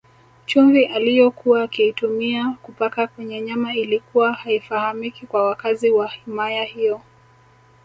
Chumvi aliyokuwa akiitumia kupaka kwenye nyama ilikuwa haifahamiki kwa wakazi wa himaya hiyo